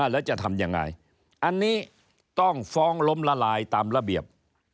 แล้วจะทำยังไงอันนี้ต้องฟ้องล้มละลายตามระเบียบ